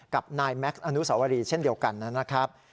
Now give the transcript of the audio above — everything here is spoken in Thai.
กับนายแม็กซ์อนุสวรีเช่นเดียวกันนะครับ